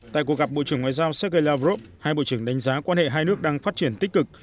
tại cuộc gặp bộ trưởng ngoại giao sergei lavrov hai bộ trưởng đánh giá quan hệ hai nước đang phát triển tích cực